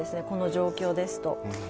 この状況ですと。